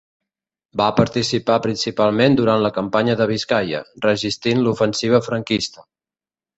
Va participar principalment durant la campanya de Biscaia, resistint l'ofensiva franquista.